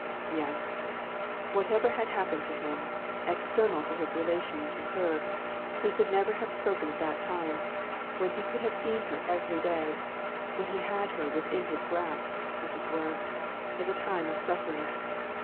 Yes! whatever had happened to him, external to his relation to her, he could never have spoken of that time, when he could have seen her every day when he had her within his grasp, as it were as a time of suffering.